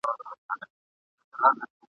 چړي حاکم سي پر بندیوان سي ,